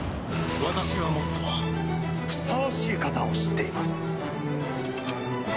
私はもっとふさわしい方を知っています。